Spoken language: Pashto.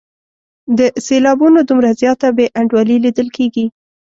د سېلابونو دومره زیاته بې انډولي لیدل کیږي.